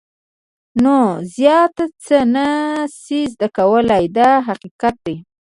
نو زیات څه نه شې زده کولای دا حقیقت دی.